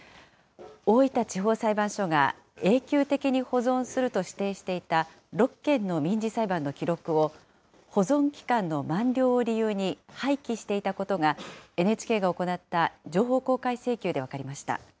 大分地方裁判所が、永久的に保存すると指定していた６件の民事裁判の記録を、保存期間の満了を理由に廃棄していたことが、ＮＨＫが行った情報公開請求で分かりました。